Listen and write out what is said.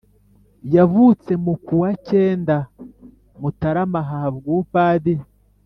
yavutse mu kuwa cyendamutarama ahabwa ubupadiri